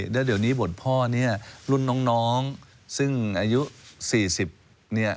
แล้วเดี๋ยวนี้บทพ่อเนี่ยรุ่นน้องซึ่งอายุ๔๐เนี่ย